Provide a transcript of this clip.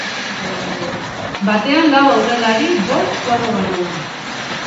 Batean lau aurrelari bost kuadro barruan.